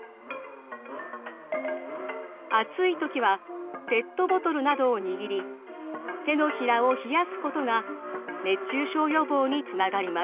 暑い時はペットボトルなどを握り手のひらを冷やすことが熱中症予防につながります。